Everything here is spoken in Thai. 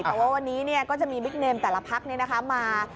แต่ว่าวันนี้ก็จะมีบิ๊กเนมแต่ละพักมา